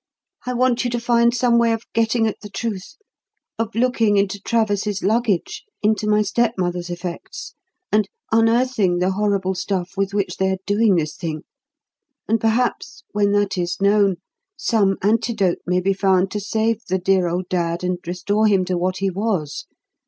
I want you to find some way of getting at the truth, of looking into Travers's luggage, into my stepmother's effects, and unearthing the horrible stuff with which they are doing this thing; and perhaps, when that is known, some antidote may be found to save the dear old dad and restore him to what he was.